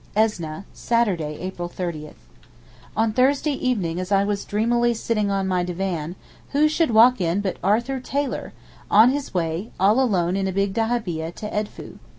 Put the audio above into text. ESNEH, Saturday, April 30. On Thursday evening as I was dreamily sitting on my divan, who should walk in but Arthur Taylor, on his way, all alone in a big dahabieh, to Edfou.